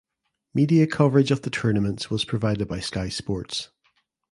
Media coverage of the tournaments was provided by Sky Sports.